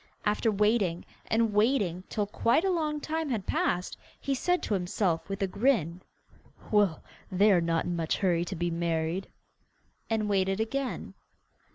After waiting and waiting till quite a long time had passed, he said to himself, with a grin, 'Well, they are not in much hurry to be married,' and waited again.